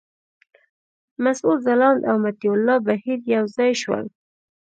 مسعود ځلاند او مطیع الله بهیر یو ځای شول.